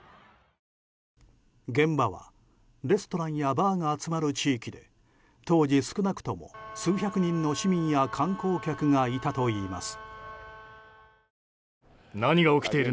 現場はレストランやバーが集まる地域で当時、少なくとも数百人の市民や観光客がいたといいます。